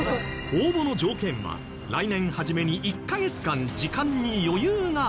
応募の条件は来年初めに１カ月間時間に余裕がある人。